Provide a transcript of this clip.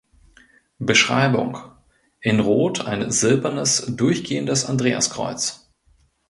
Beschreibung: In Rot ein silbernes durchgehendes Andreaskreuz.